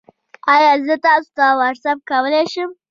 ایا زه تاسو ته واټساپ کولی شم؟